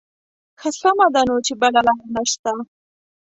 ښه سمه ده نو چې بله لاره نه شته.